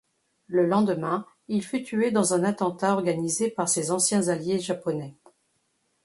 Le lendemain, il fut tué dans un attentat organisé par ses anciens alliés japonais.